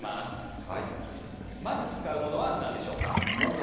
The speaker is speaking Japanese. まず使うものは何ですか？